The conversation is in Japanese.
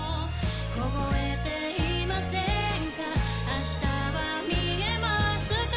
凍えていませんか？